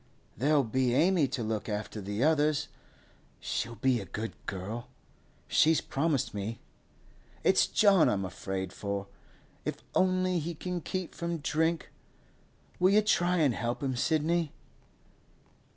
There'll be Amy to look after the others. She'll be a good girl. She's promised me. It's John I'm afraid for. If only he can keep from drink. Will you try and help him, Sidney?